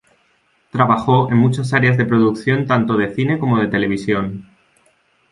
Trabajó en muchas áreas de producción tanto de cine como de televisión.